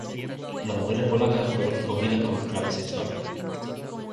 Las mujeres polacas fueron escogidas como esclavas sexuales.